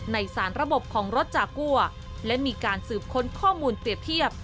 ในสารระบบของรถจากัวและมีการสืบค้นข้อมูลเปรียบเทียบ